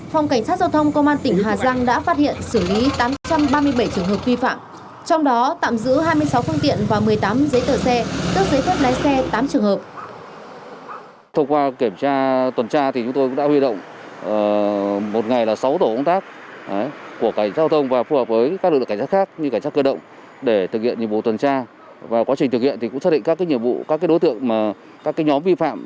phòng cảnh sát giao thông công an tỉnh hà giang đã phát hiện xử lý tám trăm ba mươi bảy trường hợp vi phạm